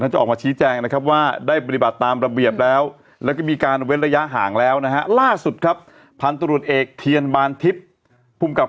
งมเจอทั้งครอบครัวน่ะอื้อเอ่อก็เดี๋ยวไปดูนะครับ